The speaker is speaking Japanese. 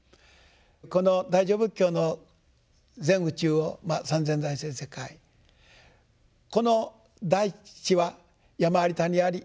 この大乗仏教の全宇宙を三千大千世界この大地は山あり谷あり